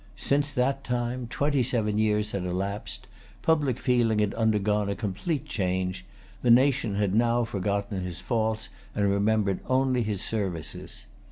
Since that time twenty seven years had elapsed; public feeling had undergone a complete change; the nation had now forgotten his faults, and remembered only his services.